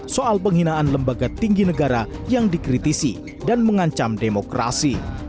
soal penghinaan lembaga tinggi negara yang dikritisi dan mengancam demokrasi